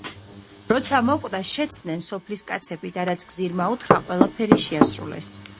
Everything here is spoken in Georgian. როცა მოკვდა, შეცდნენ სოფლის კაცები და რაც გზირმა უთხრა, ყველაფერი შეასრულეს.